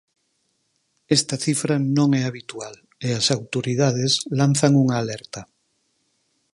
Esta cifra non é habitual e as autoridades lanzan unha alerta.